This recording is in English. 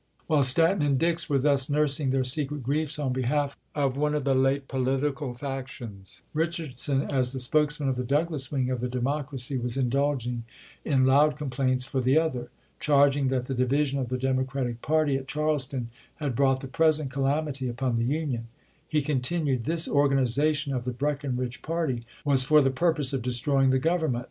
While Stanton and Dix were thus nursing their secret griefs on behalf of one of the late political factions, Richardson, as the spokesman of the Douglas wing of the Democracy, was indulging in loud complaints for the other. Charging that the division of the Democratic party at Chai'leston had brought the present calamity upon the Union, he continued : This organization of the Breckinridge party was for the purpose of destroying the Government.